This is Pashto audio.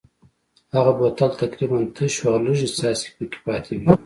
هغه بوتل تقریبا تش و او لږې څاڅکې پکې پاتې وې.